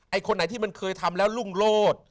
คนไหนที่มันเคยทำแล้วรุ่งโลศ